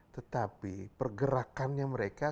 tetapi pergerakannya mereka